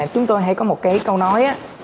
chúng tôi hay có một cái câu nói